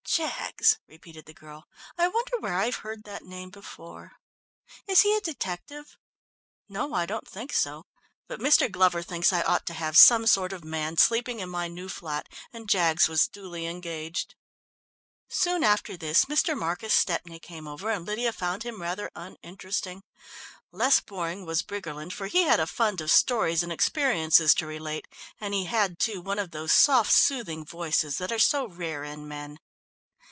"Jaggs?" repeated the girl. "I wonder where I've heard that name before. Is he a detective?" "No, I don't think so. But Mr. Glover thinks I ought to have some sort of man sleeping in my new flat and Jaggs was duly engaged." Soon after this Mr. Marcus Stepney came over and Lydia found him rather uninteresting. Less boring was Briggerland, for he had a fund of stories and experiences to relate, and he had, too, one of those soft soothing voices that are so rare in men.